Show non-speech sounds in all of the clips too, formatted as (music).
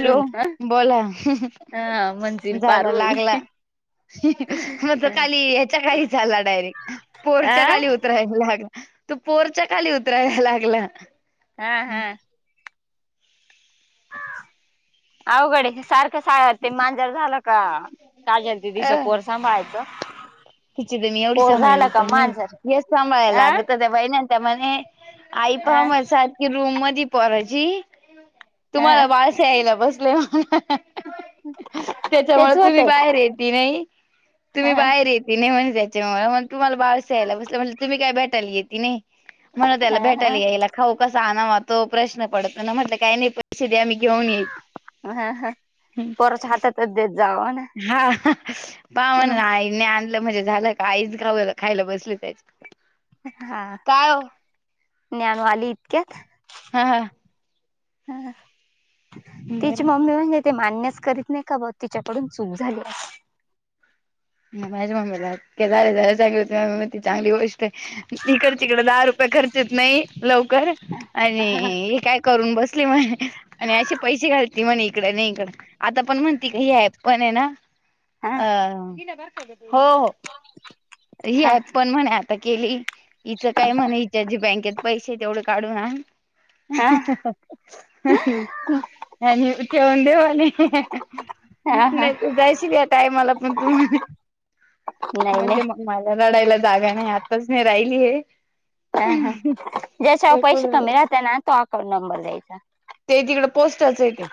Hello, लून ह बोला हा मंजिल पार झाला होई लागला. अ (unintelligible) काली याच्या काही चालला डायरेक्ट पोरच्या काली उतरायला लाग तू पोरच्या खाली उतरायला लागला. हा हा. अवघडे सारखं साग ते मांजर झालं का काज अ दीदीच पोर सांभाळायचं. तिची (unintelligible) एवढी पोर झालं सांभाळली का पण मांजर नाही यच सांभाळायला अ लागत त्या बहि ना त्या मणे. आई अ पहा (unintelligible) की रूम मधी पोराची ह तुम्हाला ब खेळायला बसलय. त्याच्यामुळे तेच तुम्ही होतय बाहेर येत नाही, तुम्ही ह बाहेर येत ति नाही म्हण त्यायच्या मला मग तुम्हाला बाहेरसा यायला (unintelligible) तुम्ही काय भेटायला ति नाही. मला ह त्याला भेटायला याय खाऊ कसा आणावा तो प्रश्न पडत ना म्हटलं काय नाही परिथिधी आम्ही घेऊन येई. हा हा, पोराच्या हातातच देत जाव ना. हा पा म्हण आईने आणलं म्हणजे झालं का आईच खाऊलं खायला बसली त्याची. हा, काय हो ज्ञानवाली इतक्यात. हा हा. हा तिची बरं. मम्मी म्हणजे ते मान्यस करीत नाही का ब तिच्याकडून चूक झाली. ना माझ्या मम्मीला (unintelligible) चांगली गोष्ट आहे. इकड तिकडं दहा रुपये खर्च होत नाही लवकर आणि हे काय करून बसले म्हणे आणि असे पैसे घालतील म्हणे इकडे नाही इकड. आता पण म्हणती का हे पण आहे ना. हा अ हो हो हा ह. पण म्हणे आता केली इिचं काय म्हणे हिच्या ज बँकेत पैसे तेवढे काढू ना. हा आणि ठेवन देवाले हा हा नाही तू जायशील या टायमाला पण तू नाही नाही म्हटले म मला लडायला जागा नाही आताच नाही राहिली हे. ह हा ज्याच्यावर पैसे कमी राहते ना तो अकाउंट नंबर द्यायचा. ते तिकडे पोस्टच आहे ते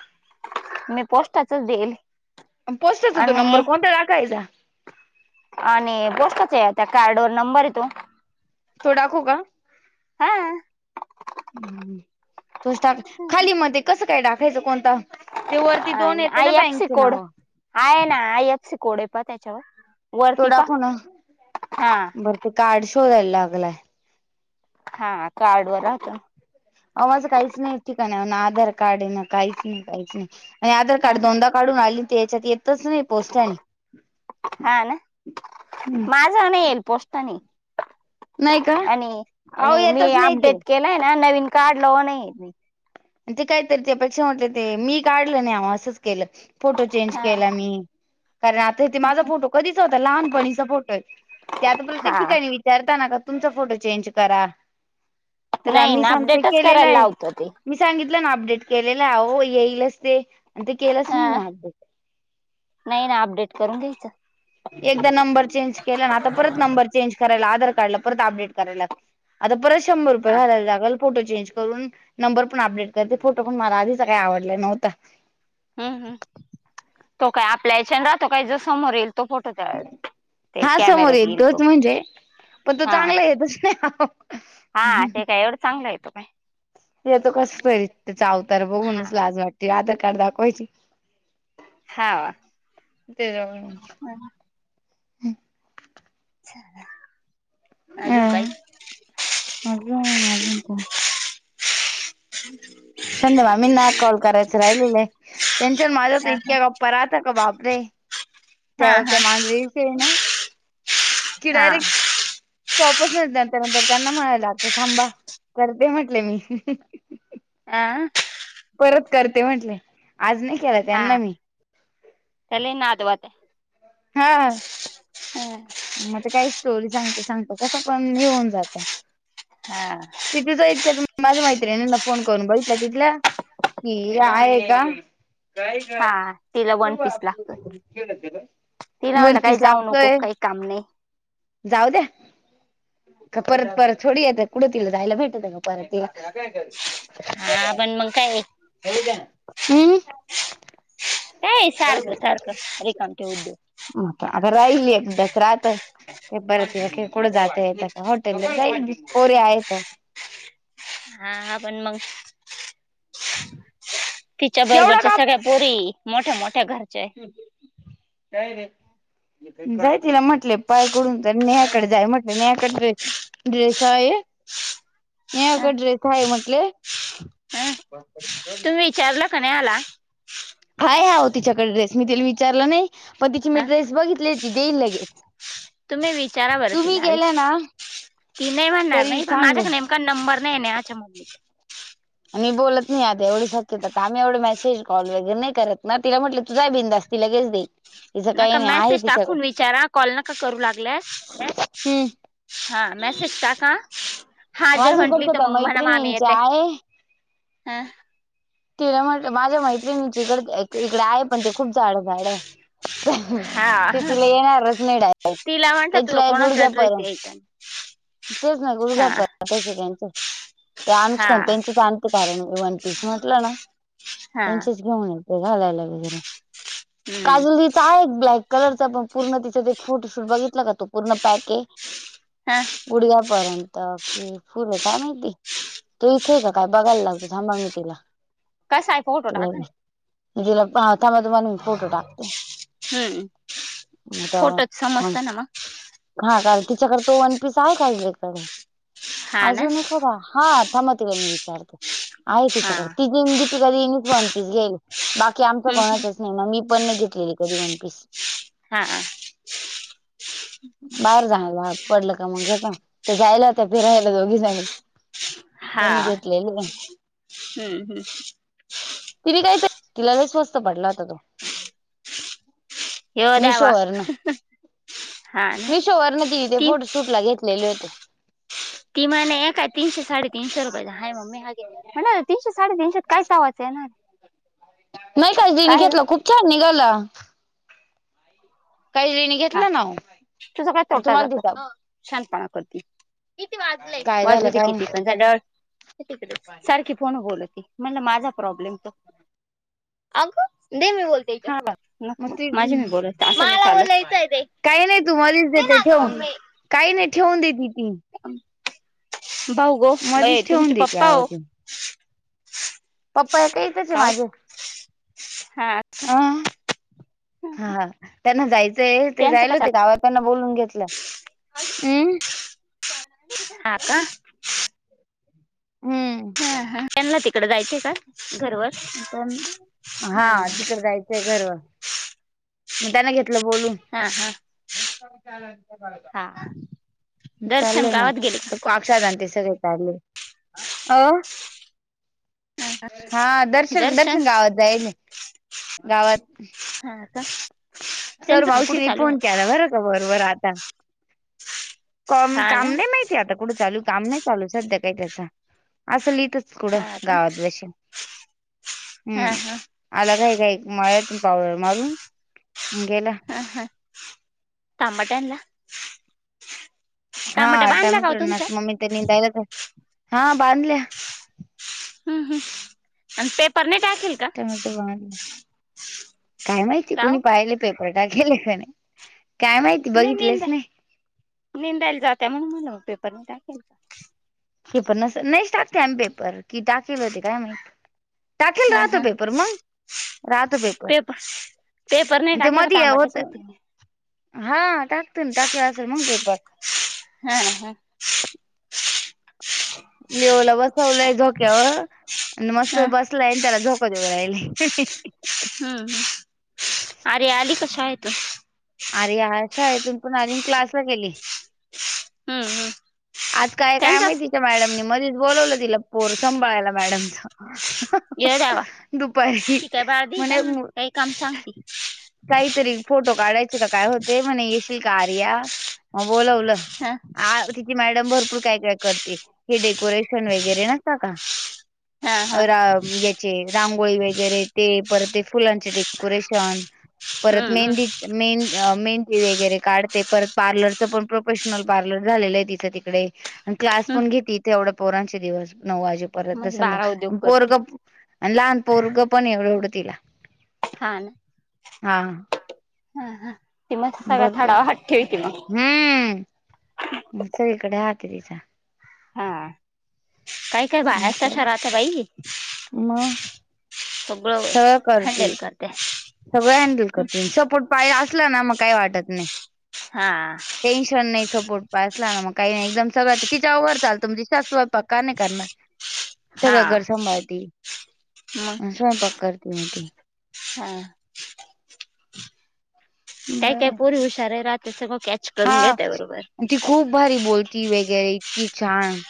मी पोस्टाचच देईल. पोस्टच हो तो नंबर आणि कोणता टाकायचा. आणि बोस्टच आहे त्या कार्ड वर नंबर य तो तो डाकू का? हा ह् तुच टाका खाली मध्ये कसं काय टाकायचं कोणता? ते वरती दोन आणि येते ना आय एफ सी बँकचे कोड नाव आहे ना आय एपसी कोडे प त्याच्यावर वरती प हा. त का्ड शोधायला लागलाय. हा कार्ड व होहता. अ माझं काहीच नाही ठिकाण आधार कार्ड ना काहीच नाही काहीच नाही आणि आधार हा कार्ड हा दोनदा काढून आली ते याच्यात येतच नाही पोचताने हम्. पोस्टाने येईल नाही का पोस्टानेआणि अहो मी येतच नाही ते अपडेट केलत. ना नवीन कार्ड लाव नाहीयेत. ते कायत त्यापेक्षा म्हटलं ते मी काढलं नाही आ असंच केलं फोटो चेंज हा केला मी कारण आता ते माझा फोटो कधीचा होता लहानपणीचा फोटो आहे ते आता प्रत्येक हा ठिकाणी विचारताना का तुमचा फोटो चेंज करा तर नाही आम्ही ना सांगतेय अपडेटच केलेला करायला आहे. लावतो ते मी सांगितलं ना अपडेट केलेलं हो येईलच ते आणि ते केलंच हा नाही मी अपडेट नाही ना अपडेट करून घ्यायचं. एकदा नंबर चेंज केला ना आता परत नंबर चेंज करायला आधार कार्डला परत अपडेट करायला लाग. आता परत शंभर रुपये हा घालायला लागल फोटो चेंज करून. नंबर पण अपडेट करते फोटो पण मला आधीच काय आवडला नव्हता. हम् हम तो काय आपल्या याच्यान राहतो काय ज समोर येईल. तो फोटो त ते हा समोर कॅमेऱ्यात येईल तो येतोच म्हणजे पण तो हा चांगला येतस. हा ते काय एवढं चांगलं आहेेतो काय? तेेतो कस कररीत चावतार हा बघूनच लाज वाटते आधार कार्ड दाखवायची. हा ते जा. अच्छा. अ मज माझ का? ह. संध्या ममी ना कॉल करायचं राहिलेलंय टेन्शन माझ्या तर हा इतक्या गप्. परता का बापरे हा त्यावर ते मांजरी फ ना. ती हा डायरेक. शॉपच न नंतर नंतर त्यांना म्हणाला आता थांबा करते म्हटले मी आं. परत करते म्हंटले आज नाही. केला हा त्यांना मी ले नात वाते. हा. हा. मग ते काही स्टोरी सांगते सांगत कसं पण येऊन जातं. हा. तिथिच इतक्या माझ्या मैत्रीनी ना फोन करून बघितला तिथल्या. की, हे आहे का? काय का? हा तिला वन केव्हा पीस आप लागतोय खेळ त का (unintelligible) तिला म्हणलं काही जाऊ नको. काही काम नाही. जाऊ द्या. परत परत थोडी येत कुठ. तला जायला भेटत का. परत तीला. हा पण मग काय अम्म. काये सारखं सारखं. रिकामटे उद्योग. आता राहील. एकदाच राहात. के परत तीला काय कुड जात येत. हॉटेल जाईल पोरी आहे त. हा. पण मग. तिच्या एवढं बरोबरच्या का सगळ्या पोरी. मोठ्या मोठ्या घरच्याय. काय रे. जाय तिला म्हटले. पाय कडून तरी. नेहाकडे जाय म्हटले. नेहाकडे जा. ड्रेस आहे. नेहा हा, कडे ड्रेस हाये म्हटले. बपरे सोडणा. चारला क नाही आला. हाये आहो तिच्याकडे ड्रेस. मी तिला विचारलं नाही. पण तिची मी हा ड्रेस बघितलेय. ती देईल लगेच. तुम्ही विचारा बर तुम्ही तीला आधी. गेला ना ती नाही म्हणणार तरी नाही. पण सांग माझ्या नेम का. नंबर नये. नेयाच्या मम्मीचा. आणि बोलत नाही एवढं सक्यता. आम्ही एवढे मेसेज कॉल वगैरे नाही करत ना. तिला म्हटलं तु जाय बिंदास. ति लगेच देईल. तिचं काही नका. नाही आहे मेसेज तिच्याकडे टाकून विचारा. कॉल नका करू लागलास. हम्म हा मॅसेज टाका. हा जर माझ्या म्हटली. इकडचं तर मग म्हणा मामी मैत्रिणींची येत्याय. आहे ह. तिला म्हटलं माझ्या मैत्रिणीची इकड इकडे आहे. पण ते खूप जाड्या जाड्याये. हा ते तिला येणार नाही डायरेट. तिला म्हटलं त्याच्या तुला आहे कोणाचा गुडघ्या ड्रेस परन यायचा तेच ना. हा गुडघ्यापर्यंतचे त्यांचे. ते हा अनुष्कान त्यांचेच आणते कारण वन पीस मी, हा त्यांचीच घेऊन येते. घालायला वगरे. हम्म काजल दीदी चाय एक ब्लॅक कलरचा. पण पूर्ण तिच्यात एक फोटोशूट बघितला का तो पूर्ण पॅके. ह. पुडग्यापर्यंत कि फुल. काय माहिती. ती इथेय का काय बघायला लागतो. थांब मी तिला. कसाय फोटो टाका ना. दिला. थांबा मी फोटो टाकते. हम्म मता फोटोच समजत ना (unintelligible) मग हा कारण तिच्याकडे तो वन पीस आहे. काकडे हा ना अजून एक होता. हा थांब तीका मी विचारतो. आहे हा तिच्याकडे. ती देन दीपिका ने वन पीस घ्यायले. बाकी आमचा हम्म कोणाचच नाही. म मी पण नाही घेतलेली कधी वन पीस. हा (unintelligible) बाहेर जाण भाग पडलं का? मग घेत्या. त्या जायला होता फिरायला दोघी जनी. (unintelligible) हा. हम्म हम्म. तिने काय ते. तिला स्वस्त पडला होता तो. येव द्यावा. मिशोवर न हा ना मिशोवर न तिन ते ती फोटोशूट ला घेतलेले होते. ती म्हणे काय तीनशे साडेतीनशे रुपये चा हाये मम्मी. हा घे. म्हण तीनशे साडेतीनशेत. काय चावाचा येणारे. नाही का. काजीने घेतलं खूप छान निघाला. काही हिन हा घेतलं ना. म तुम्हाला दता शहानपणा करती, किती वाजलंय? काय वाजू झालं दे काय किती माहित पण तिकडेच सारखी फोन वर बोलती म्हण माझा प्रॉब्लेम तो अगं दे मी बोलते याच्यासोबत मग नको ती माझे मी बोलतते. काही नाही तू मध्येच देते ठेवून मम्मी काही नाही ठेवून देते ती भाऊ गं ये मधीच ठेवून तुमचे देते पप्पा अहो हो ती पप्पा हे काय इतेच आहे का हो? माझे हा. अ हा त्यांना जायचंय ते त्यांचं जाइल काय होते चाललं गावात त्याना बोलून घेतलं हम्म. हा का. ह हम्म. हा हा त्यांना तिकडे जायचं का घरवर पण हा तिकडे जायचंय घरवर. मग त्याना घेतलं बोलून. हा हा हा दर्शन चाललंय मग. गावात गेले का सगळे काढले अ हा. हा. दर्शन गावात हा का, सर त्यांचं काम कुठं मावशी चालू आहे फोन आता? केला बरं का बरं बरं आता कम हा काम ना नाही माहितीय आता कुठं चालू काम नाही चालू सध्या काय त्याचा असंल इतेच कुडं हा का गावात बसेल. हा हा आला घाई घाई काय मळ्यातण पावडर मारून गेला. ह हा थांबा त्याना हा टमॅटोस मम्मी त्यांनी दयलाच हा बांधल्या. हम्म हम्म आणि पेपर नाही टाकिल. टमॅटो वाढला काय माहिती का कुणी हो? पाहिले. पेपर टाकेेले काय माहिती नाही बघितलेच नेंदा नाही नेंदायला जातय म्हणून म्हणलं पेपरने टाकेल का. पेपर नसल नाहीच टाकत्यात पेपर, की टाकल होते काय माहीत. टाकेल हा राहतो हा पेपर मग राहतो पेपर.. पेपर नाही ते टाकला तर मध्ये काम कस होत होतील. हा टाकते ना टाकल असेल मंग पेपर हा ह येवला बसवलंय झोक्यावर आणि मस्त हम्म बसलाय त्याला झोका देवू राहिली. हम्म अरे आली का शाळेतून अरे शाळेतून पण आली अन क्लासला गेली. हम्म हम् आज काय काय माहिती तिच्या मॅडमनी मधीच बोलवलं तिला पोर सांभाळायला मॅडमचं ये देवा ती काय बाल्दी ये का म्हणा काही काम सांगते. कायतरी फोटो काढायचे का काय होते म्हणे येशील का आर्या मग बोलवलं हा आ तिची मॅडम भरपूर काय काय करते हे डेकोरेशन वगैरे नसता काय. हा हा रा याचे रांगोळी वगैरे ते परते फुलांचे डेकोरेशन परत हम्म हम्म मेहंदी मे मेहेंदी वगैरे काढते परत पार्लरचं पण प्रोफेशनल पार्लर झालेलं आहे तिच तिकडे क्लास हम्म. पण घेते तेवढ्या पोरांचे दिवस नऊ वाजे परत मग बारा उद्योग संद्याकाळी करते पोरग लहान पोरग पण एवढ एवढं तिला हा ना. हा हा हा बरोबर ते (unintelligible) हम्म... सगळीकडे हात ए तिचा हा... काई काई बायाच, तशा राहतात बाई मग बरोबर... सगळं करते हॅडल करत्यात. सगळं हँडल करतील, सपोर्ट पाय असला ना... मग काय वाटत नाई हा टेन्शन नाई.. सपोर्ट पाय असला ना, मग काई नाई एकदम सगळ तिच्यावर चालतं... म्हणजे सासू स्वयंपाक का नाही करणार हा सगळं घर सांभाळती, मग स्वयंपाक करती मग ती हा काई बर काई पोरी हुशारही राहत्यात, सगळं कॅच करून हा... घेते बरोबर ती खूप भारी बोलती वगैरे... इतकी छान,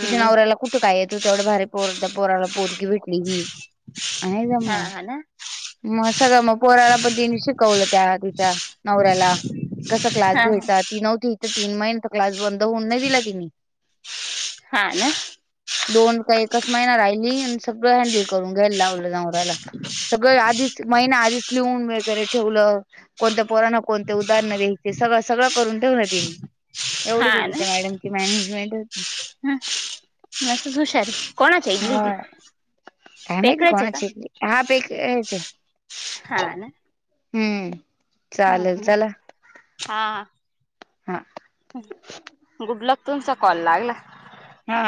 तिच्या नवऱ्याला खूप तो काय येतो, तेवढं भारी पोर... त्या पोराला पोरगी भेटली की, आहे हा जम्मा हा ना मग सगळं मग पोराला पण तिने शिकवलं... त्या तिच्या नवऱ्याला कसा क्लास... हा (unintelligible) ती नव्हती इथं तीन महिने, तर क्लास बंद होऊ नाई दिला तिनी हा ना दोन का एकच महिना राहिली, आणि सगळं हँडल करून घ्यायला लावलं नवऱ्याला (unintelligible) सगळं आधीच... महिना आधीच लिहून वगैरे ठेवलं... कोणत्या पोरांना, कोणती उदाहरणं द्यायची ते सगळं सगळं करून ठेवलं तिनी... एवढी हा तिची त्या मॅडमची मॅनेजमेंट होती हा... जास्तच हुशार ए कोणाच्या (unintelligible) ए हा ती, काय ते माहिती खायचं का? कोणाची हा पे ह्याचे हा ना हुं. हं... हं... हा... हा गुडलक तुमचा कॉल लागला हा